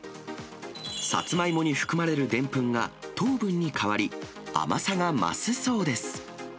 サツマイモに含まれるでんぷんが糖分に変わり、甘さが増すそうです。